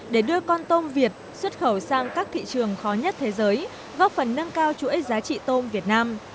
để đưa con tôm việt xuất khẩu sang các thị trường khó nhất thế giới góp phần nâng cao chuỗi giá trị tôm việt nam